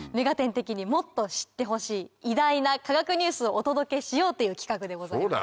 的にもっと知ってほしい偉大な科学ニュースをお届けしようという企画でございます。